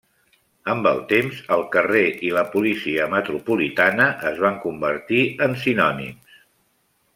Amb el temps, el carrer i la policia metropolitana es van convertir en sinònims.